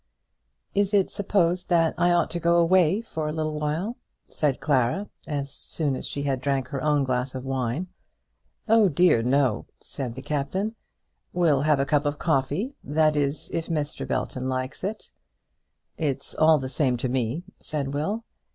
"Is it supposed that I ought to go away for a little while?" said Clara, as soon as she had drank her own glass of wine. "Oh dear, no," said the Captain. "We'll have a cup of coffee; that is, if Mr. Belton likes it." "It's all the same to me," said Will.